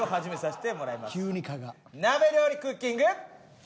鍋料理クッキング。